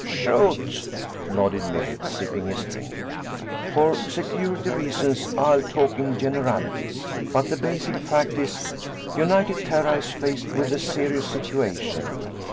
"Shoot," nodded Millet, sipping his drink. "For security reasons, I'll talk in generalities. But the basic fact is, United Terra is faced with a serious situation.